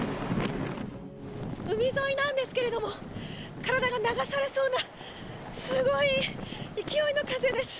海沿いなんですけれども体が流されそうなすごい勢いの風です。